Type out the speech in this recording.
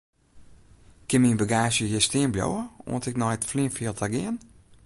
Kin myn bagaazje hjir stean bliuwe oant ik nei it fleanfjild ta gean?